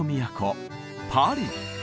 パリ。